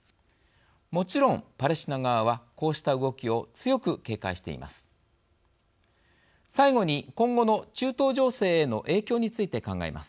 もちろん、パレスチナ側はこうした動きを強く警戒しています。